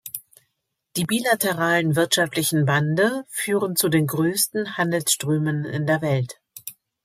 Die bilateralen wirtschaftlichen Bande führen zu den größten Handelsströmen in der Welt.